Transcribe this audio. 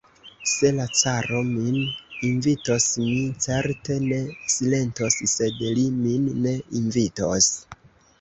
Se la caro min invitos, mi certe ne silentos, sed li min ne invitos.